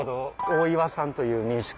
大岩さんという民宿。